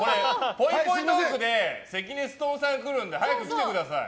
ぽいぽいトークで関根勤さんが来るんで早く来てください。